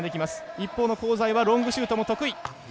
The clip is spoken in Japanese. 一方の香西はロングシュートも得意。